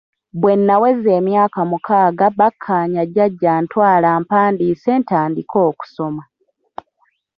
Bwe naweza emyaka omukaaga bakkaanya jjajja antwale ampandiise ntandike okusoma.